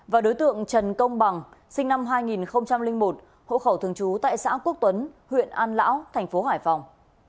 và đối tượng trần công bằng sinh năm hai nghìn một hộ khẩu thường trú tại xã quốc tuấn huyện an lão thành phố hải phòng